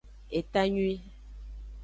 Etanyuie.